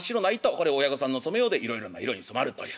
これを親御さんの染めようでいろいろな色に染まるという。